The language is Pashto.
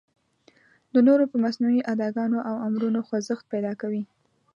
د نورو په مصنوعي اداګانو او امرونو خوځښت پیدا کوي.